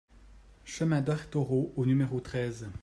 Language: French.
Chemin d'Artoreau au numéro treize